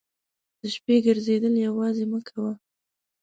د شپې ګرځېدل یوازې مه کوه.